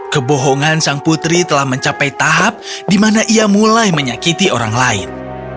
kebohongan sang putri telah mencapai tahap di mana ia mulai menyakiti orang lain